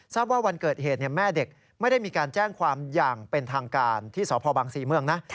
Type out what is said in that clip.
ว่าวันเกิดเหตุแม่เด็กไม่ได้มีการแจ้งความอย่างเป็นทางการที่สพบังศรีเมืองนะ